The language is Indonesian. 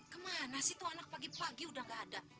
kemana sih itu anak pagi pagi udah gak ada